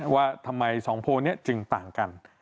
ว่าทำไมสองโพลเนี่ยจึงต่างกัน